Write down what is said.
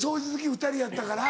２人やったから。